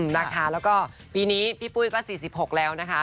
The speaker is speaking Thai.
แล้วก็ปีนี้พี่ปุ้ยก็๔๖แล้วนะคะ